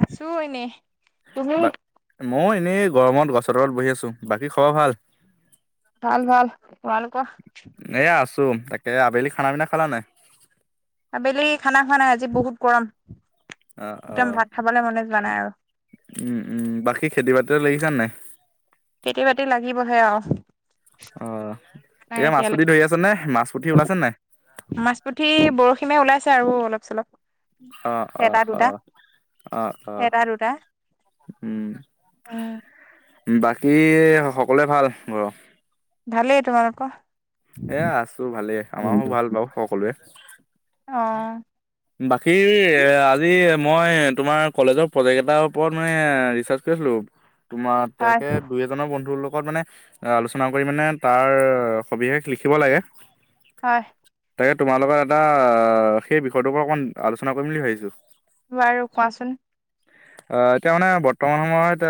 আছো এনে। তুমি? মইয়ো এনেই গৰমত গছৰ তলত বহি আছো। বাকী খবৰ ভাল? ভাল ভাল। তোমালোকৰ? এইয়া আছো। তাকে আবেলি খানা পিনা খালা নাই? আবেলি খানা খোৱা নাই আজি বহুত গৰম। অ' একদম অ' ভাত খাবলৈ মনে যোৱা নাই আৰু উম উম বাকী খেতি বাতিত লাগিছা নাই। খেতি বাতিত লাগিবহে আৰু। অ' নাই এয়া মাছ পুঠি এতিয়ালৈকে ধৰি আছে নে মাছ পুঠি ওলাইছে নাই। মাছ পুঠি বৰশি মাৰি ওলাইছে আৰু অলপ চলপ। অ', এটা অ', দুটা অ', অ', অ'। এটা দুটা উম, বাকী সকলোৱে ভাল ঘৰত। ভালেই। তোমালোকৰ? এয়া আছো ভালে, আমাৰো ভাল বাৰু সকলোৱে। অ বাকী আজি মই তোমাৰ কলেজৰ প্ৰজেক্ট এটাৰ ওপৰত মানে ৰিচাৰ কৰি আছিলোঁ। তোমাৰ হয় তাকে দুই এজনৰ বন্ধুৰ লগত মানে আলোচনা কৰি মানে তাৰ সবিশেষ লিখিব লাগে। হয়। তাকে তোমাৰ লগত এটা সেই বিষয়টোপা অকণ আলোচনা কৰিম বুলি ভাবিছো। বাৰু কোৱাচোন। এতিয়া মানে বৰ্তমান সময়ত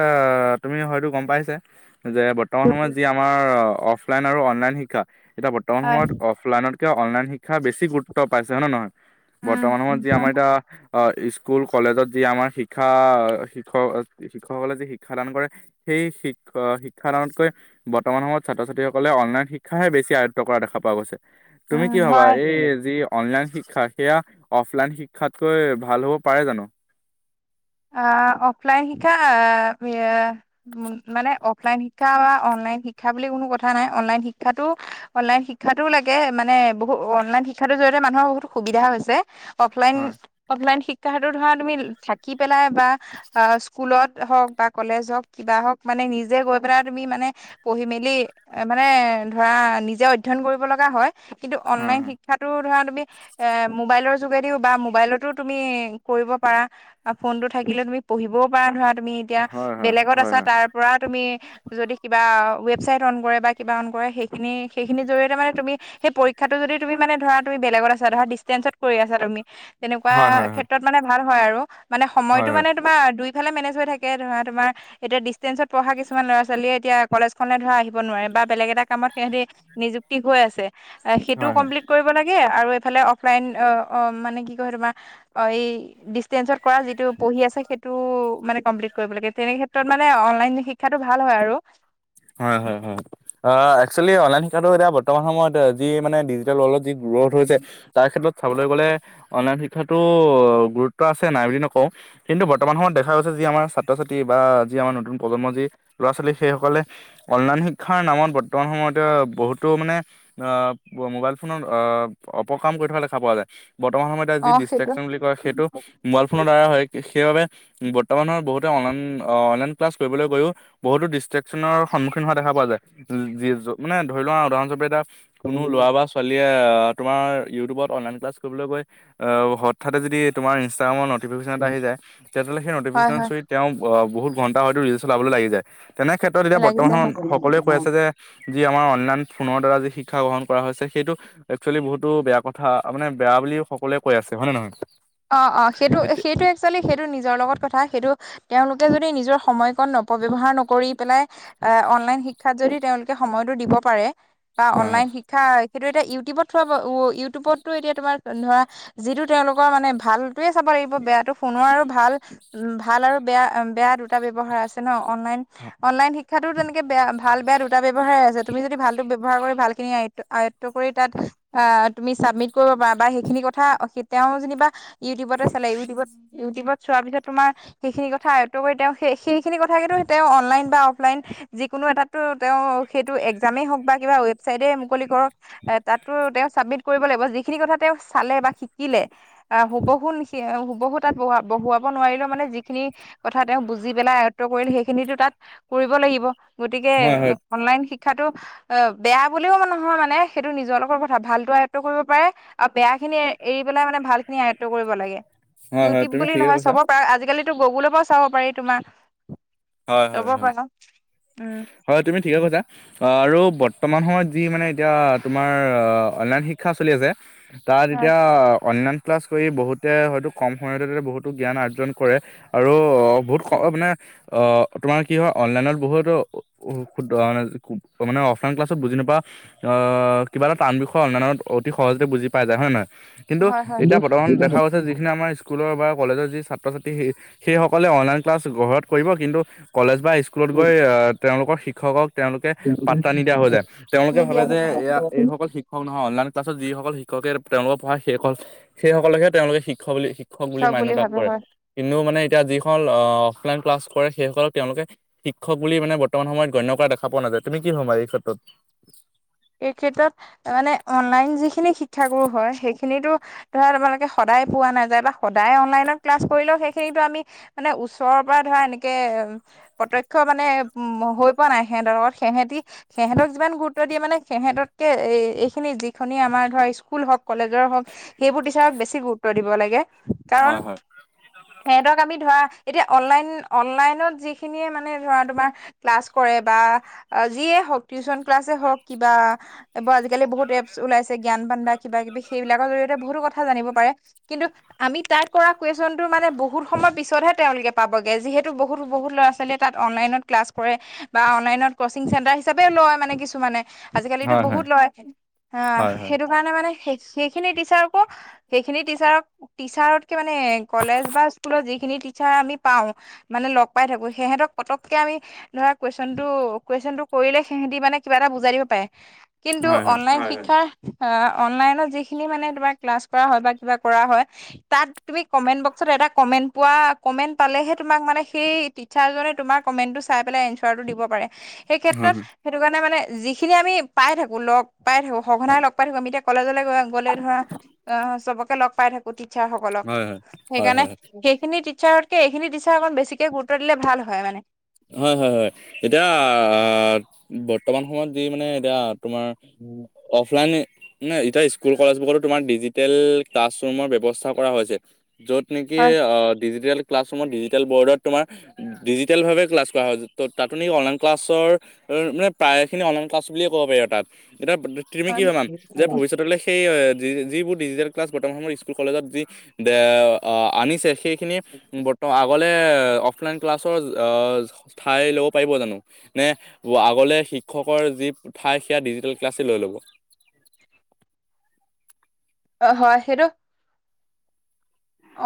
তুমি হয়তো গ'ম পাইছা, যে বৰ্তমান সময়ত যি আমাৰ অফলাইন আৰু অনলাইন শিক্ষা, এতিয়া বৰ্তমান হয় সময়ত অফ ফলাইনতকে, অনলাইন শিক্ষা বেছি গুৰুত্ব পাইছে হয় ন নহয়, উম বৰ্তমান সময়ত যি আমাৰ এতিয়া অ', স্কুল কলেজত যি আমাৰ শিক্ষা, শিক্ষক শিক্ষকসকলে যি শিক্ষা দান কৰে সেই শিক্ষা শিক্ষাদানতকৈ বৰ্তমান সময়ত ছাত্ৰ ছাত্ৰী সকলে অনলাইন শি শিক্ষাহে বেছি আয়ত্ব কৰা দেখা পোৱা গৈছে, তুমি উম কি ভাবা হয় এই যি অনলাইন শিক্ষা সেয়া অফলাইন শিক্ষাতকৈ ভাল হ'ব পাৰে জানো। অফলাইন শিক্ষা মানে অফলাইন শিক্ষা বা অনলাইন শিক্ষা বুলি কোনো কথা নাই, অনলাইন শিক্ষাটো অনলাইন শিক্ষাটো লাগে মানে বহুত অনলাইন শিক্ষাটো জৰিয়তে মানুহৰ বহুত সুবিধা হৈছে। অফলাইন হয় অফলাইন শিক্ষাটো ধৰা তুমি থাকি পেলাই বা স্কুলত হওক বা কলেজ হওক, কিবা হওক মানে নিজে গৈ পেলাই তুমি মানে পঢ়ি মেলি, এ মানে ধৰা নিজে অধ্যয়ন কৰিব লগা হয়। কিন্তু হয় অনলাইন শিক্ষাটো ধৰা তুমি এ ম'বাইলৰ যোগেদিও বা ম'বাইলতো তুমি কৰিব পাৰা। আৰু ফোনটো থাকিলে তুমি পঢ়িবও পৰা ধৰা তুমি এতিয়া হয় হয় বেলেগত হয় হয় আছা তাৰ পৰা তুমি যদি কিবা ৱেবচাইট অ'ন কৰে বা কিবা অ'ন কৰে সেইখিনি সেইখিনিৰ জৰিয়তে মানে তুমি সেই পৰীক্ষাটো যদি তুমি মনে ধৰা তুমি বেলেগত আছা ধৰা ডিষ্টেন্সত কৰি আছা তুমি ল, তেনেকুৱা হয় হয় হয় হয় হয় ক্ষেত্ৰত মানে ভাল হয় আৰু মানে হয় হয় সময়টো মানে তোমাৰ দুইফালে মেনেজ হৈ থাকে ধৰা তোমাৰ এতিয়া ডিষ্টেন্সত পঢ়া কিছুমান ল'ৰা, ছোৱালীয়ে এতিয়া কলেজ খনলে ধৰা আহিব নোৱাৰে বা বেলেগ এটা কামত সিহঁতি নিযুক্তি হৈ আছে, সেইটো হয় হয় কমপ্লিট কৰি ব লাগে আৰু ইফালে অফলাইন মানে কি কিয় তোমাৰ এই ডিষ্টেন্সত কৰা যিটো পঢ়ি আছে সেইটো মানে কমপ্লিট কৰিব লাগে, তেনে ক্ষেত্ৰত মানে অনলাইন শিক্ষাটো ভাল হয় আৰু। হয় হয় হয় একচুৱেলি অনলাইন শিক্ষাটো এতিয়া বৰ্তমান সময়ত এ যি মানে ডিজিটেল ৱৰ্ল্ডত যি ৰ'দ হৈছে তাৰ ক্ষেত্ৰত চাবলে গ'লে অনলাইন শিক্ষাটো গুৰুত্ব আছে, নাই বুলি নকওঁ। কিন্তু বৰ্তমান সময়ত দেখা গৈছে যি আমাৰ ছাত্ৰ, ছাত্ৰী বা যি আমাৰ নতুন প্ৰজন্মৰ যি ল'ৰা- ছোৱালী সেইসকলে অনলাইন শিক্ষাৰ নামত বৰ্তমান সময়তে বহুতো মানে আহ ম'বাইল ফোনত আহ অপকাম কৰি থকা দেখা পোৱা যায়। বৰ্তমান সময়তে যি অ সেইটো ডিষ্ট্ৰেকচন বুলি কয় সেইটো ম'বাইল ফোনৰ দোৱাৰই হৈ সেইবাবে বৰ্তমান সময়ত বহুতে অনলাইন অনলাইন ক্লাছ কৰিবলৈ গৈও বহুতো ডিষ্ট্ৰেক চনৰ সন্মুখীন হোৱা দেখা পোৱা যায়, যি যো মানে ধৰি লোৱা উদাহৰণ হিচাবে এটা, কোনো ল'ৰা বা ছোৱালীয়ে তোমাৰ ইউটিউবত অনলাইন ক্লাছ কৰিবলৈ গৈ অ', হঠাৎ যদি তোমাৰ ইনষ্টাগ্ৰামৰ ন নটিফিকেচন এটা আহি যায় তেতিয়া হ'লে সেই হয় নটিফিকেচন হয় চুই তেওঁ বহুত ঘণ্টা হয়তো তেওঁ ৰিল চলাবলৈ লাগি যায়, তেনে ত' তেতিয়া বৰ্তমান সকলোৱে লাগিছে কৈ আছে যে, যি আমাৰ অনলাইন ফোনৰ দ্বাৰা যি শিক্ষা গ্ৰহণ কৰা হৈছে সেইটো একচুৱেলি বহুতো বেয়া কথা মানে বেয়া বুলি সকলোৱে কৈ আছে হয় নে নহয়? অ অ সেইটো এতিয়া সেইটোৱেই একচুৱেলি সেইটো নিজৰ লগত কথা সেইটো তেওঁলোকে যদি নিজৰ সময়কণ অপব্যৱহাৰ নকৰি পেলাই এ অনলাইন শিক্ষাত যদি তেওঁলোকে সময়তো দিব পাৰে বা হয় হয় অনলাইন শিক্ষা শিক্ষা সেইটো এতিয়া ইউটিউবত থোৱা ইউটিউবতো এতিয়া তোমাৰ ধৰা যিটো তেওঁলোকৰ মানে ভাল টোয়ে চাব লাগিব বেয়াটো ফোনৰ আৰু ভাল উ ভাল আৰু বেয়া বেয়া দুটা ব্যৱহাৰ আছে। ন অনলাইন অনলাইন শিক শিক্ষাটো তেনেকে বেয়া ভাল বেয়া দুটা ব্যৱহাৰ আছে তুমি যদি ভালটো ব্যৱহাৰ কৰি ভালখিনি আয়ত্ব আয়ত্ব কৰি তাত তুমি চাবমিট কৰিব পাৰা বা সেইখিনি কথা তেওঁ যেনিবা ইউটিউবতে চালে ইউটিউবত ইউটিউবত চোৱাৰ পিছত তোমাৰ সেইখিনি কথা আয়ত্ব কৰি তেওঁ সেই সেইখিনি কথাকে টো তেওঁ অনলাইন বা অফলাইন যিকোনো এটাতো তেওঁ সেইটো একজামেই হওঁক বা কিবা ৱেবচাইটে মুকলি কৰক এ তাতো তেওঁ চাবমিট কৰিব লাগিব যিখিনি কথা তেওঁ চালে বা শিকিলে আহ হুবহু নি হুবহু তাত বোৱা বহুৱাব নোৱাৰিলেও মানে যিখিনি কথা তেওঁ বুজি পেলাই আয়ত্ব কৰিলে সেইখিনিতো তাত কৰিব লাগিব গতিকে হয় হয় অনলাইন শিক্ষাটো অ বেয়া বুলিও নহয় মানে সেইটো নিজৰ লগৰ কথা ভালটো আয়ত্ব কৰিব পাৰে। আৰু বেয়া খিনি এ এৰি পেলাই মানে ভাল খিনি আয়ত্ব কৰিব লাগে। হয় হয় ইউটিউব তুমি বুলি ঠিকে নহয় কৈছা চাবৰ পৰা আজিকালি গুগুলৰ পৰা চাব পাৰি তোমাৰ হয় হয় চাব হয়। পৰা উম। হয় তুমি ঠিকে কৈছা। আৰু বৰ্তমান সময়ত যি মানে এতিয়া তোমাৰ অনলাইন শিক্ষা চলি আছে। তাত হয় এতিয়া অনলাইন ক্লাছ কৰি বহুতে হয়তো কম সময়তে বহুতো জ্ঞান অৰ্জন কৰে। আৰু বহুত ক মানে অ তোমাৰ কি হয় অনলাইনত বহুত কিয় শুদ্ধ হোৱা নাই মানে অফলাইন ক্লাছত বুজি নোপোৱা আহ কিবা এটা টান বিষয় অনলাইনত অতি সহজতে বুজি পাই যায় হয় নে নহয়? কিন্তু হয় হয় এতিয়া বৰ্তমান দেখা গৈছে যিখিনি আমাৰ স্কুলৰ বা কলেজৰ যি ছাত্ৰ ছাত্ৰী সেই সেইসকলে অনলাইন ক্লাছ ঘৰত কৰিব কিন্তু কলেজ বা স্কুল স্কুলত গৈ তেওঁলোকৰ শিক্ষকক তেওঁলোকে পাত্তা নিদিয়া হৈ যায় তেওঁলোকে ভাবে নিদিয়া যে হৈছে এয়া এইসকল শিক শিক্ষক নহয় অনলাইন ক্লাছত যিসকল শিক্ষকে তেওঁলোকৰ পঢ়ায় সেইকল সেই সকলকহে তেওঁলোকে শিক্ষক বুলি। শিক্ষক বুলি মান্যতা কৰে কিন্তু মানে এতিয়া যিখনকল আহ অফলাইন ক্লাছ কৰে সেইসকলক তেওঁলোকে শিক্ষক বুলি মানে বৰ্তমান সময়ত গণ্য কৰা দেখা পোৱা নায তুমি কি হ'ম এই ক্ষেত্ৰত এই ক্ষেত্ৰত মানে অনলাইন যিখিনি শিক্ষাগুৰু হয় সেইখিনিতো ধৰা তোমালোকে সদায় পোৱা নাযায় বা সদায় অনলাইনত ক্লাছ কৰিলেও সেইখিনিতো আমি মানে ওচৰৰ পৰা ধৰা এনেকে প্ৰতক্ষ মানে উম হয় পোৱা নাই সিহঁতৰ লগত। সিহেঁতি সিহঁতক যিমান গুৰুত্ব দিয়ে মানে। সিহঁততকে এই এইখিনি যিখিনি আমাৰ ধৰ স্কুল হওঁক, কলেজৰ হওঁক। সেইবোৰ টিচাৰক বেছি গুৰুত্ব দিব লাগে। হয় কাৰণ হয়। সেতক আমি ধৰা এতিয়া অনলাইন-অনলাইনত যিখিনিয়ে মানে ধৰা তোমাৰ ক্লাছ কৰে বা যিয়ে হওঁক, টিউচন ক্লাছে হওঁক। কিবা এইবোৰ আজিকালি বহুত এপছ ওলাইছে জ্ঞান বান্দা কিবা কিবি সেইবিলাকৰ জৰিয়তে বহুতো কথা জানিব পাৰে। কিন্তু আমি তাই কৰা কুৱেশনটো মানে বহুত সময় পিছতহে তেওঁলোকে পাবগে যিহেতু বহুত বহুত ল'ৰা-ছোৱালীয়ে তাত অনলাইনত ক্লাছ কৰে বা অনলাইনত কচিং চেণ্টাৰ হিচাপেও লয় মানে কিছুমানে। আজিকালিতো হয় বহুত হয় ল'ৰাই আহ' হয় হয়। সেইটো কাৰণে মানে সেই সেইখিনি টিচাৰকো সেইখিনি টিচাৰক-টিচাৰতকে মানে কলেজ বা স্কুলত যিখিনি টিচাৰ আমি পাওঁ। মানে লগ পাই থাকো। সিহেঁতক পটককে আমি ধৰা কুৱেশনটো-কুৱেশনটো কৰিলে সিহঁতি মানে কিবা এটা বু বুজাই দিব পাৰে। কিন্তু হয় হয় অনলাইন শিক্ষাৰ অ' অনলাইনত যিখিনি মানে তোমাৰ ক্লাছ কৰা হয় বা কিবা কৰা হয়। তাত তুমি কমেণ্ট বক্সত এটা কমেন্ট পোৱা কমেন্ট পালেহে তোমাক মানে সেই টিচাৰজনে তোমাৰ কমেণ্টটো চাই পেলাই এনচাৰটো দিব পাৰে। সেই হয় ক্ষেত্ৰত, সেইটো কাৰণে মানে যিখিনি আমি পাই থাকো লগ পাই থাকো। সঘনাই লগ পাই থাকো আমি এতিয়া কলেজলে গ'লে ধৰা অ' চবকে লগ পাই থাকো। টিচাৰসকলক। হয় হয় হয় সেইকাৰণে হয় সেইখিনি টি চাৰতকে এইখিনি টিচাৰ অকণ বেছিকে গুৰুত্ব দিলে ভাল হয় মানে। হয় হয় হয়, এতিয়া আ' বৰ্তমান সময়ত যি মানে এতিয়া তোমাৰ উম। অফলাইন নহয় এতিয়া স্কুল-কলেজবোৰতো তোমাৰ ডিজিটেল ক্লাছৰুমৰ ব্যৱস্থা কৰা হৈছে। য'ত নেকি, হয় অ' ডিজিটেল ক্লাছ ৰুমত ডিজিটেল বৰ্ডত তোমাৰ ডিজিটেল ভাৱে ক্লাছ কৰা হয়, ত' তাত তুমি অনলাইন ক্লাছৰ মানে প্ৰায়খিনি অনলাইন ক্লাছ বুলিয়ে ক'ব পাৰি আৰু তাত। এতিয়া তুমি কি [unintelligible] যে হয়। ভৱিষ্যতলে সেই যিবোৰ ডিজিটেল ক্লাছ বৰ্তমান সময় স্কুল-কলেজত যি বে এ আনিছে। সেই খিনিয়ে বৰ্ত আগলে অফলাইন ক্লাছৰ ঠাই ল'ব পাৰিব জানো? নে আগলে শিক্ষকৰ যি ঠাই সেয়া ডিজিটেল ক্লাছে লৈ ল'ব। অ' হয়। সেইটো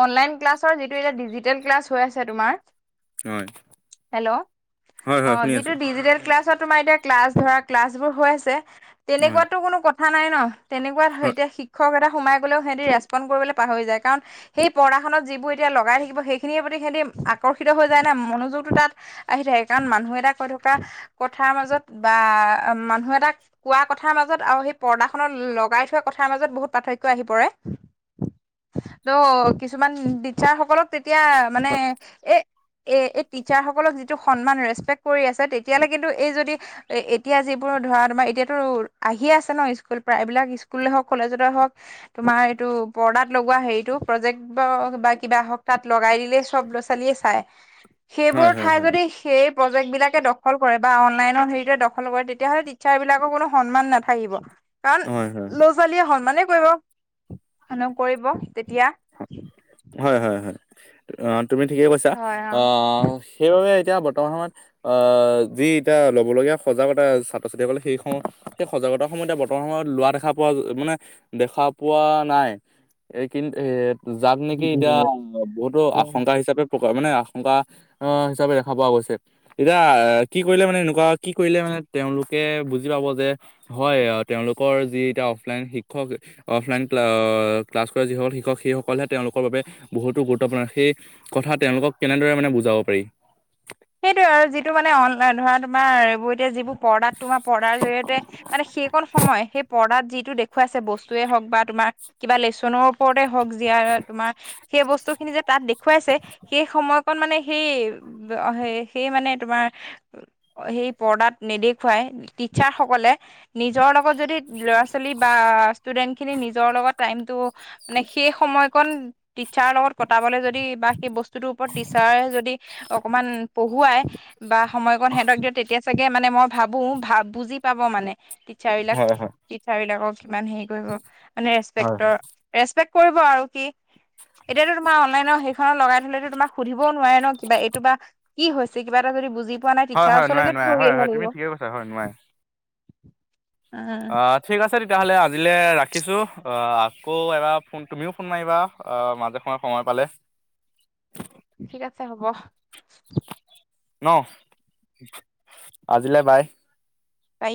অনলাইন ক্লাছৰ যিটো এতিয়া ডিজিটেল ক্লাছ হয় আছে তোমাৰ। হয়, হেল্ল'! হয়, হয়, অ' শুনি যিটো আছোঁ, ডিজিটেল ক্লাছত তোমাৰ এতিয়া ক্লাছ ধৰা ক্লাছবোৰ হৈ আছে হয়। তেনেকুৱাতো কোনো কথা নাই ন। তেনেকুৱা এতিয়া শিক্ষক এটা সোমাই গ'লেও সিহঁতি ৰেচপণ্ড কৰিবলে পাহৰি যায়। কাৰণ সেই পৰ্দাখনত যিবোৰ এতিয়া লগাই থাকিব, সেইখিনিৰ প্ৰতি সিহঁতি আকৰ্ষিত হৈ যায় নে মনোযোগটো তাত আহি থাকে, কাৰণ মানুহ এটা কৈ থকা কথাৰ মাজত বা মানুহ এটাক কোৱা কথাৰ মাজত আৰু সেই পৰ্দাখনত লগাই থোৱা কথাৰ মাজত বহুত পাৰ্থক্য আহি পৰে। ত' কিছুমান টিচাৰ সকলক তেতিয়া মানে এ এ এই টিচাৰ সকলক যিটো সন্মান ৰেচপেক্ট কৰি আছে। তেত তেতিয়ালেকেটো এই যদি এ-এতিয়া যিবোৰ ধৰা তোমাৰ এতিয়াতো আহিয়ে আছে ন স্কুল প্ৰায়বিলাক স্কুল হওঁক, কলেজতে হওঁক তোমাৰ এইটো, পৰ্দাত লগোৱা হেৰিটো। প্ৰজেক্ট বা, বা কিবা হওক তাত লগাই দিলেই চব ল'ৰা-ছোৱালীয়ে চাই। হয়, সেইবোৰ হয়, হয়, ঠাই হয়, যদি সেই প্ৰজেক্ট বিলাকে দখল কৰে, বা অনলাইনৰ হেৰিয়ৰে দখল কৰে, তেতিয়াহ'লে টিচাৰ বিলাকৰ কোনো সন্মান নাথা কিব। কাৰণ হয়, হয়, ল'ৰা-ছোৱালীয়ে সন্মানে কৰিব, নকৰিব তেতিয়া। [inaudible] হয়, হয়, হয়, অ', তুমি ঠিকেই কৈছা, হয় অ আহ, সেইবাবে এতিয়া বৰ্তমান সময়ত আহ, যি এতিয়া লব লগগীয়া সজাগতা ছাত্ৰ-ছাত্ৰীসকলে সেইসমূহ সেই সজাগতা সমুহ বৰ্তমান সময়ত লোৱা দেখা পোৱা, মানে দেখা পোৱা নাই। এই কিন্তু, এ যাক নেকি এতিয়া বহুতো আশংকা হিচাপে প্ৰকা, মানে আশংকা আ, হিচাপে দেখা পোৱা গৈছে। এতিয়া কি কৰিলে মানে এনেকুৱা, কি কৰিলে মানে তেওঁলোকে বুজি পাব যে হয়, তেওঁলোকৰ যি এতিয়া অফলাইন শিক্ষক, অফলাইন ক্লা, ক্লাছ কৰা যিসকল শিক্ষ শিক্ষক, সেইসকলহে তেওঁলোকৰ বাবে বহুতো গুৰুত্বপূৰ্ণ, সেই কথা তেওঁলোকক কেনেদৰে মানে বুজাব পাৰি? সেইটোৱে আৰু, যিটো মানে অনলাইন ধৰা তোমাৰ এইবোৰ এতিয়া যিবোৰ পৰ্দাত তোমাৰ পৰ্দাৰ জৰিয়তে মানে সেইকণ সময়, সেই পৰ্দাত যিটো দেখুৱাইছে বস্তুৱে হওক বা তোমাৰ কিবা লেচনৰ ওপৰতে হওক, যিয়া তোমাৰ সেই বস্তু খিনি যে তাত দেখুৱাইছে, সেই সময়কণ মানে সেই সেই, সেই মানে তোমাৰ সেই পৰ্দাত নেদেখুৱাই, তিটচাৰ সকলে। নিজৰ লগত যদি ল'ৰা-ছোৱালী বা ষ্টুডেন্ট খিনি নিজৰ লগত টাইমটো মানে সেই সময়কণ টিচাৰৰ লগত পতাবলৈ যদি বা সেই বস্তুটোৰ ওপৰত টিচাৰ যদি অকমান পঢ়ুৱাই, বা সময়কণ সিহঁতক দিয়ে, তেতিয়া চাগে মানে মই ভাবো, ভা, বুজি পাব মানে টিচাৰ বিলাক। হয় হয় টিটচাৰ বিলাকক কিমান হেৰি কৰিব, মানে হয় হয় ৰেচপেকটৰ ৰেচপেক্ট কৰিব আৰু কি, এতিয়াতো তোমাৰ অনলাইন সেইখনত লগাই থলেতো তোমাক সুধিবও নোৱাৰে ন' কিবা, এইটো বা কি হৈছে কিবা এটা যদি বুজি পোৱা নাই হয় টিচাৰৰ হয় নোৱাৰে ওচৰলৈকে নোৱাৰে পঢ়ি হয় আহিব হয় তুমি লাগিব। ঠিকে কৈছা হয় নোৱাৰে। উম অ', ঠিক আছে তেতিয়াহ'লে আজিলৈ ৰাখিছোঁ, অ', আকৌ এবাৰ ফোন, তুমিও ফোন মাৰিবা। অ', মাজে সময়ে সময় পালে। ঠিক আছে হ'ব। ন' আজিলে বাই। বাই।